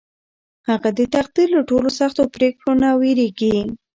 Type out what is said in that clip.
هغه د تقدیر له ټولو سختو پرېکړو نه وېرېږي.